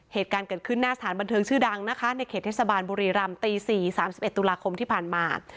เหตุการณ์เกิดขึ้นหน้าสถานบันเทิงชื่อดังนะคะในเขตเทศบาลบุรีรำตี๔๓๑ตุลาคมที่ผ่านมา